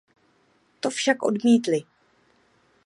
To však odmítli.